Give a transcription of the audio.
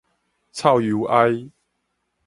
臭油埃